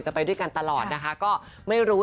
ไปด้วยกันตลอดนะคะก็ไม่รู้